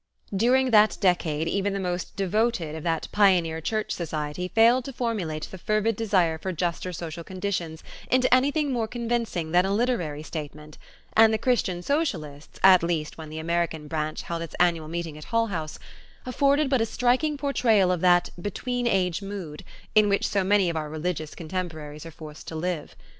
During that decade even the most devoted of that pioneer church society failed to formulate the fervid desire for juster social conditions into anything more convincing than a literary statement, and the Christian Socialists, at least when the American branch held its annual meeting at Hull House, afforded but a striking portrayal of that "between age mood" in which so many of our religious contemporaries are forced to live.